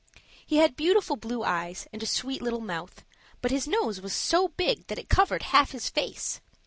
He had beautiful blue eyes and a sweet little mouth, but his nose was so big that it covered half his face.